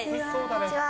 こんにちは。